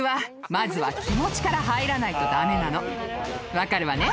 分かるわね？